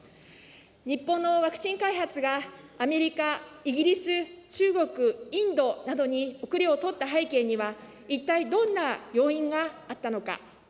日本のワクチン開発が、アメリカ、イギリス、中国、インドなどに後れを取った背景には、一体どんな要因があったのか。